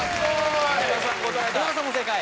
今田さんも正解。